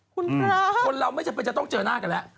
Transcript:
คุณคะคนเราไม่จำเป็นจะต้องเจอหน้ากันแล้ว